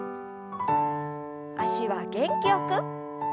脚は元気よく。